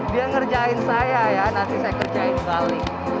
dia ngerjain saya ya nanti saya kerjain balik